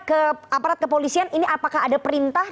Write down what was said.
ke aparat kepolisian ini apakah ada perintah